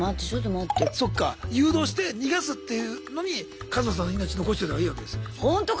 そっか誘導して逃がすっていうのにカズマさんの命残しといたほうがいいわけですよ。